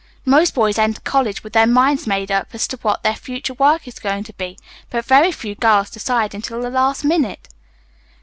Most boys enter college with their minds made up as to what their future work is going to be, but very few girls decide until the last minute."